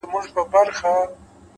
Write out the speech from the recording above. هره هڅه د راتلونکي برخه جوړوي؛